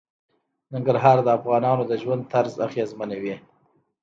ننګرهار د افغانانو د ژوند طرز اغېزمنوي.